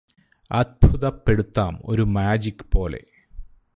അത്ഭുതപ്പെടുത്താം ഒരു മാജിക് പോലെ